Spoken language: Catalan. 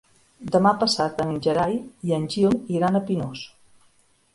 Demà passat en Gerai i en Gil iran a Pinós.